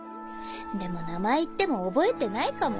でも名前言っても覚えてないかも。